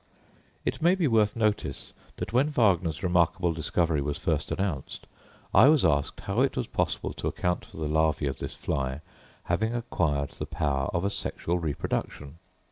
It may be worth notice that when Wagner's remarkable discovery was first announced, I was asked how was it possible to account for the larvæ of this fly having acquired the power of a sexual reproduction.